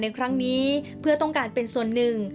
ในครั้งนี้เพื่อต้องการเป็นส่วนหนึ่ง